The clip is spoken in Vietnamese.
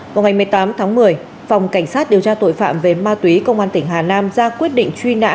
vào ngày một mươi tám tháng một mươi phòng cảnh sát điều tra tội phạm về ma túy công an tỉnh hà nam ra quyết định truy nã